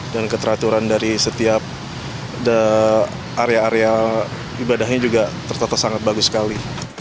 dan keteraturan dari setiap area area ibadahnya juga tertata sangat bagus sekali